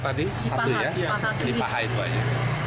ada luka di kakinya